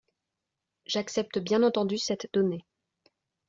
J’accepte bien entendu cette donnée.